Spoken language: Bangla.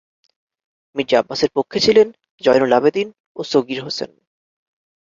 মির্জা আব্বাসের পক্ষে ছিলেন জয়নুল আবেদীন ও সগীর হোসেন।